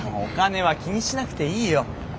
お金は気にしなくていいよ。